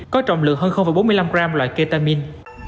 có trọng lượng hơn bốn mươi năm gram loại ketamin